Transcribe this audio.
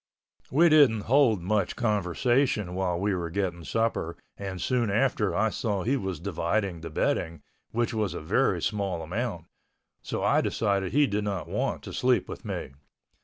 We didn't hold much conversation while we were getting supper and soon after I saw he was dividing the bedding, which was a very small amount, so I decided he did not want to sleep with me.